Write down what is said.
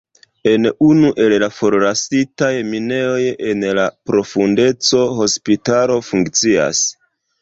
En unu el la forlasitaj minejoj en la profundeco hospitalo funkcias.